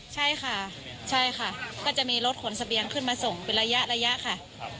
ใช่ค่ะใช่ค่ะก็จะมีรถขนเสบียงขึ้นมาส่งเป็นระยะค่ะ